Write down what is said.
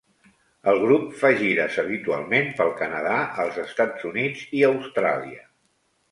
El grup fa gires habitualment pel Canadà, els Estats Units i Austràlia.